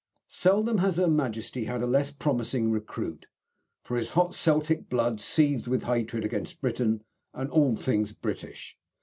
Seldom has Her Majesty had a less promising recruit, for his hot Celtic blood seethed with hatred against Britain and all things British.